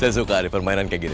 saya suka nih permainan kayak gini